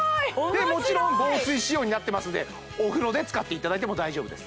でもちろん防水仕様になってますのでお風呂で使っていただいても大丈夫です